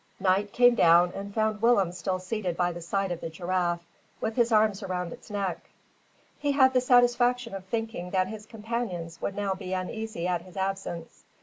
Night came down and found Willem still seated by the side of the giraffe, with his arms around its neck. He had the satisfaction of thinking that his companions would now be uneasy at his absence.